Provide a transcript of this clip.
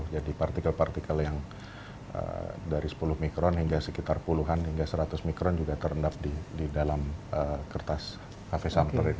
jadi partikel partikel yang dari sepuluh mikron hingga sekitar puluhan hingga seratus mikron juga terendap di dalam kertas hv sampler ini